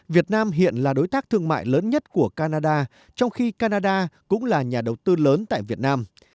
việt nam hiện là đối tác thương mại lớn nhất của canada trong khi canada cũng là nhà đầu tư lớn tại việt nam